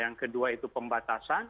yang kedua itu pembatasan